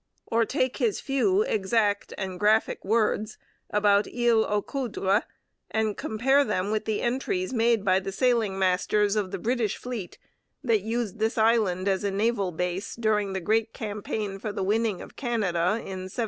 Or take his few, exact, and graphic words about Isle aux Coudres and compare them with the entries made by the sailing masters of the British fleet that used this island as a naval base during the great campaign for the winning of Canada in 1759.